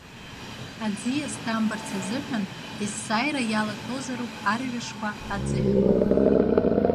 Аӡиас ҭамбарц азыҳәан, есааира иалаҭәозароуп арҩашқәа, аӡыхьқәа.